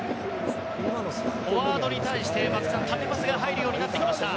フォワードに対して縦パス入るようになってきました。